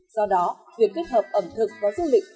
do đó việc kết hợp ẩm thực và du lịch